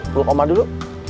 peluk oma dulu